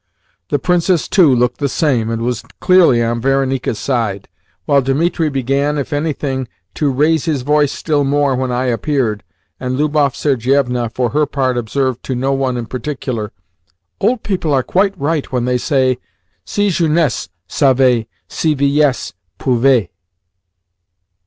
The Princess too looked the same, and was clearly on Varenika's side, while Dimitri began, if anything, to raise his voice still more when I appeared, and Lubov Sergievna, for her part, observed to no one in particular: "Old people are quite right when they say, 'Si jeunesse savait, si vieillesse pouvait.